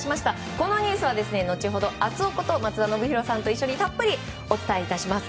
このニュースは後ほど熱男こと松田宣浩さんと一緒にたっぷりお伝えいたします。